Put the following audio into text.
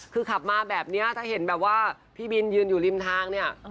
คือขับมาแบบนี้ถ้าเห็นแบบว่าพี่บินยืนอยู่ริมทางเนี่ย